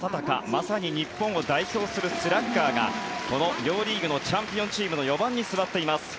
まさに日本を代表するスラッガーがこの両リーグのチャンピオンチームの４番に座っています。